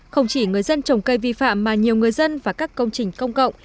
không chỉ người dân trồng cây vi phạm mà nhiều người dân và các công trình công cộng